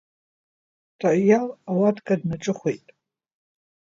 Тариал ауатка днаҿыхәеит.